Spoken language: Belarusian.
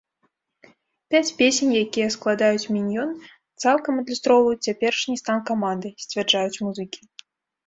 Пяць песень, якія складаюць міньён, цалкам адлюстроўваюць цяперашні стан каманды, сцвярджаюць музыкі.